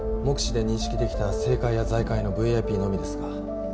目視で認識できた政界や財界のＶＩＰのみですが。